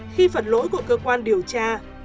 khi phần lỗi của cơ quan điều tra